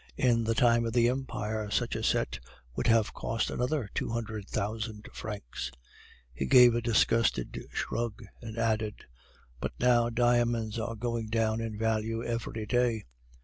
In the time of the Empire such a set would have cost another two hundred thousand francs!' "He gave a disgusted shrug, and added: "'But now diamonds are going down in value every day.